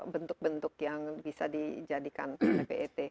bentuk bentuk yang bisa dijadikan pet